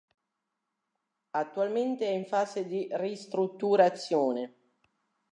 Attualmente è in fase di ristrutturazione.